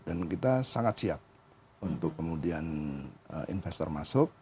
dan kita sangat siap untuk kemudian investor masuk